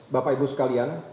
bapak ibu sekalian